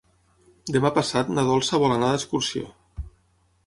Demà passat na Dolça vol anar d'excursió.